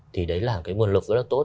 thì đấy là cái nguồn lực rất là tốt